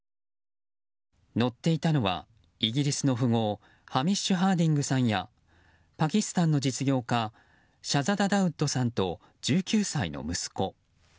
乗っていたのはイギリスの富豪ハミッシュ・ハーディングさんやパキスタンの実業家シャザダ・ダウッドさんと１９歳の息子。